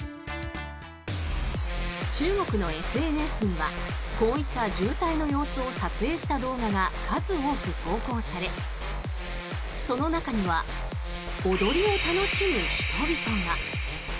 中国のＳＮＳにはこういった渋滞の様子を撮影した動画が数多く投稿されその中には踊りを楽しむ人々が。